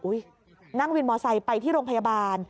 อุ๊ยนั่งวินมอเตอร์ไซส์ไปที่โรงพยาบาล